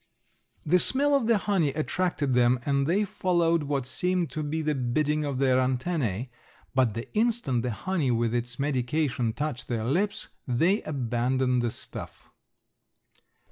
The smell of the honey attracted them and they followed what seemed to be the bidding of their antennæ, but the instant the honey with its medication touched their lips they abandoned the stuff.